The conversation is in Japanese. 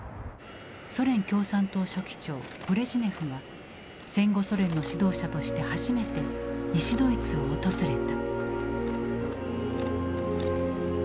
ソ連共産党書記長ブレジネフが戦後ソ連の指導者として初めて西ドイツを訪れた。